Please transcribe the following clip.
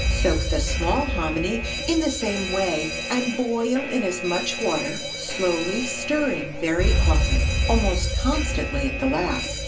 Soak the small hominy in the same way, and boil in as much water, slowly, stirring very often, almost constantly at the last.